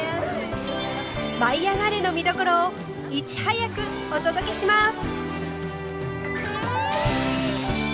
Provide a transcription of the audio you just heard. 「舞いあがれ！」の見どころをいち早くお届けします！